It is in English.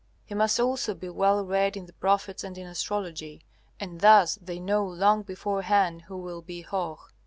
He must also be well read in the prophets and in astrology. And thus they know long beforehand who will be Hoh.